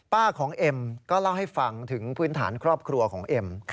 ของเอ็มก็เล่าให้ฟังถึงพื้นฐานครอบครัวของเอ็ม